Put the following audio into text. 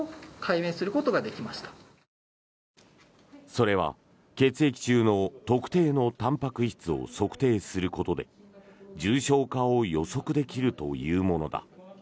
それは血液中の特定のたんぱく質を測定することで重症化を予測できるというものだ。